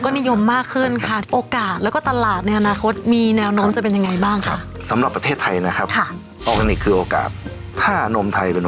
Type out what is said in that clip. ที่แน่อ่ะคิดที่จะได้คืออะไร